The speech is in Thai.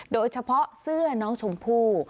โดยเฉพาะเสื้อน้องชมพู่